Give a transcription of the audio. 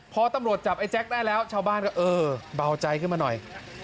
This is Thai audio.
พอตำรวจจับไอ้แจ๊คได้แล้วชาวบ้านก็เออเบาใจขึ้นมาหน่อย